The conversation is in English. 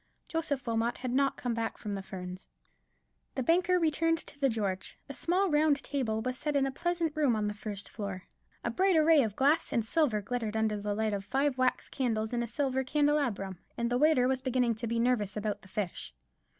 Joseph Wilmot had not come back from the Ferns. The banker returned to the George. A small round table was set in a pleasant room on the first floor; a bright array of glass and silver glittered under the light of five wax candles in a silver candelabrum; and the waiter was beginning to be nervous about the fish.